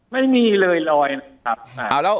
ไม่มีเลยลอยนะครับ